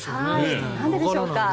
なんででしょうか。